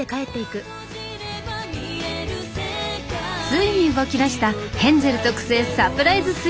ついに動きだしたヘンゼル特製サプライズスイーツ作り。